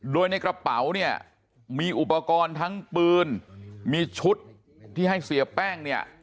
โดยในกระเป๋าเนี่ยมีอุปกรณ์ทั้งปืนมีชุดที่ให้เสียแป้งเนี่ย